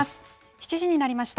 ７時になりました。